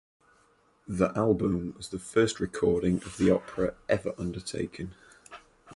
The album was the first recording of the opera ever undertaken.